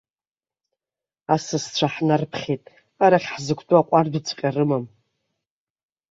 Асасцәа ҳнарԥхьеит, арахь ҳзықәтәо аҟәардәҵәҟьа рымам.